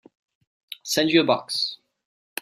I'll send you a box.